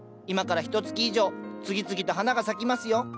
今からひとつき以上次々と花が咲きますよ。